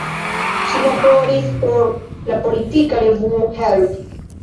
Ŝi laboris por la politika revuo "Help!